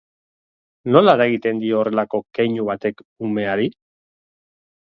Nola eragiten dio horrelako keinu batek umeari?